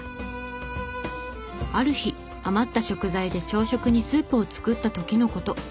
ある日余った食材で朝食にスープを作った時の事。